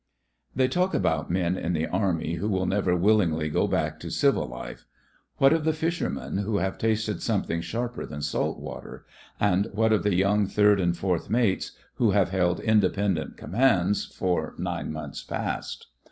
They talk about men in the Army who will never willingly go back to civil life. What of the fishermen who have tasted something sharper than salt water — and what of the young third and fourth mates who have held independent commands 24 THE FRINGES OF THE FLEET for nine months past?